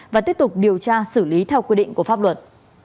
và tiếp tục điều tra xử lý theo quy định của pháp luật